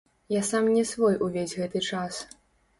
Я сам не свой увесь гэты час.